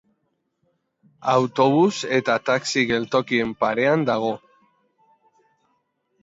Autobus eta taxi geltokien parean dago.